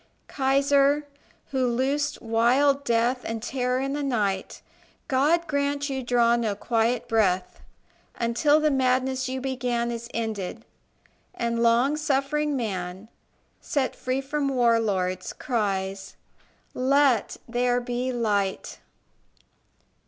Kaiser who loosed wild death And terror in the night God grant you draw no quiet breath, Until the madness you began Is ended, and long suffering man, Set free from war lords, cries, "Let there be Light."